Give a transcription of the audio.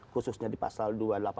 khususnya di pasal dua ratus delapan puluh